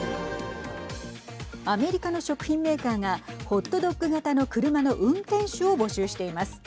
アメリカの食品メーカーがホットドッグ型の車の運転手を募集しています。